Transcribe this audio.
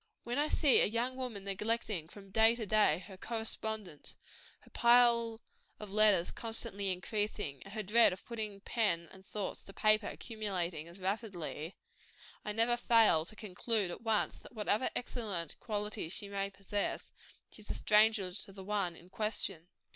When I see a young woman neglecting, from day to day, her correspondents her pile of letters constantly increasing, and her dread of putting pen and thoughts to paper accumulating as rapidly I never fail to conclude, at once, that whatever other excellent qualities she may possess, she is a stranger to the one in question.